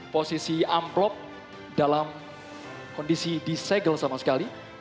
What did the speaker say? posisi amplop dalam kondisi disegel sama sekali